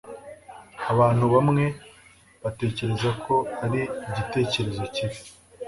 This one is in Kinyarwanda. Abantu bamwe batekereza ko ari igitekerezo kibi